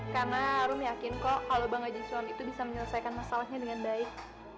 karena rum yakin kok kalau bang haji sule itu bisa menyelesaikan masalahnya dengan baik